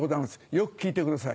よく聞いてください。